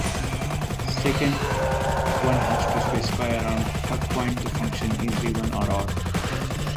Second, one has to specify around "what point" the function is even or odd.